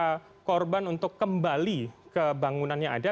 para korban untuk kembali ke bangunan yang ada